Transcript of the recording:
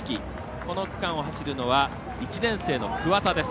この区間を走るのは１年生の桑田。